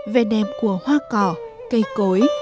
vẻ đẹp của hoa cỏ cây cối